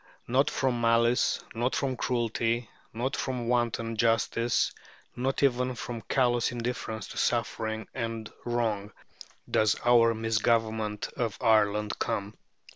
Not from malice, not from cruelty, not from wanton injustice, not even from callous indifference to suffering and wrong, does our misgovernment of Ireland come.